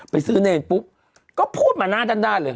ไปซื้อเนรปุ๊บก็พูดมาหน้าด้านเลย